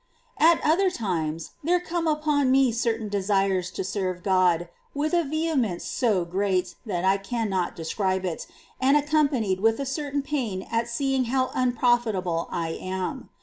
4. At other times there come upon me certain desires to serve God, with a vehemence so great that I cannot describe it, and accompanied with a certain pain at seeing how unprofitable I am.